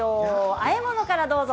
あえ物からどうぞ。